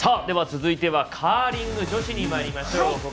では続いてはカーリング女子にまいりましょう。